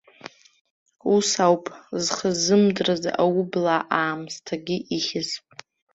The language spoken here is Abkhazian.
Ус ауп, зхы ззымдырыз аублаа аамсҭагьы ихьыз.